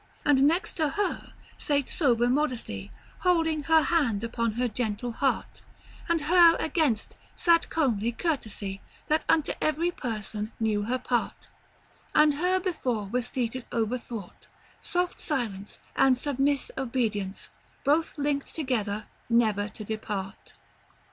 "And next to her sate sober Modestie, Holding her hand upon her gentle hart; And her against, sate comely Curtesie, That unto every person knew her part; And her before was seated overthwart Soft Silence, and submisse Obedience, Both linckt together never to dispart."